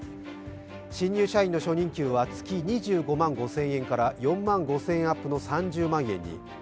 新入社員の初任給は月２９万５０００円から４万５０００円アップの３０万円に。